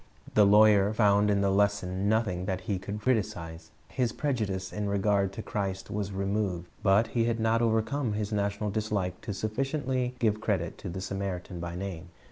The lawyer found in the lesson nothing that he could criticize. His prejudice in regard to Christ was removed. But he had not overcome his national dislike sufficiently to give credit to the Samaritan by name.